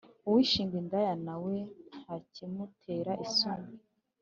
uwishinga indaya na we, ntakimutera isoni;